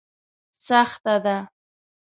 سخته ده.